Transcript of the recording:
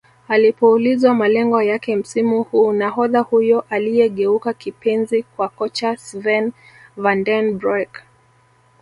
Alipoulizwa malengo yake msimu huu nahodha huyo aliyegeuka kipenzi kwa kocha Sven Vanden broeck